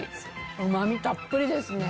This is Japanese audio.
うまみたっぷりですね。